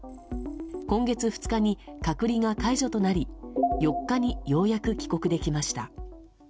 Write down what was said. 今月２日に、隔離が解除となり４日にようやく帰国できました。